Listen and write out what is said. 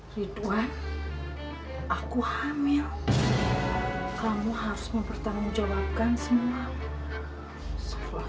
ridwan aku hamil kamu harus mempertanggungjawabkan semua sekolah